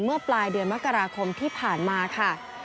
เมื่อปลายเดือนมกราคมที่ผ่านมาค่ะ